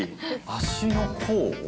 足の甲を。